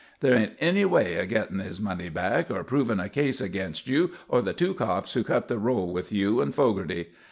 There isn't any way of getting his money back, or proving a case against you or the two cops who cut the roll with you and Fogarty.